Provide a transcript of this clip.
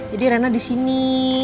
jadi rena di sini